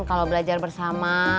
kalau belajar bersama